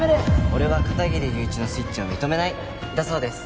「俺は片切友一のスイッチを認めない」だそうです。